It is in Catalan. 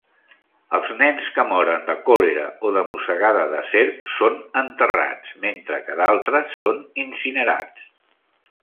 Els nens que moren de còlera o de mossegada de serp són enterrats, mentre que d'altres són incinerats.